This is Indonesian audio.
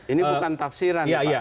ini bukan tafsiran pak